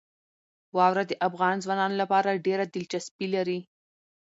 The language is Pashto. واوره د افغان ځوانانو لپاره ډېره دلچسپي لري.